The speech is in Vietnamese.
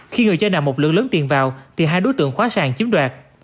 khi người chơi nạp một lượng lớn tiền vào thì hai đối tượng khóa sàng chiếm đoạt